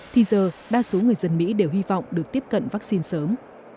thì giờ đa số người dân mỹ đều hy vọng được tiếp cận vaccine sớm